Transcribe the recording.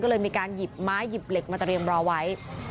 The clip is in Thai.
ก็เลยมีการหยิบไม้หยิบเหล็กมาเตรียมรอไว้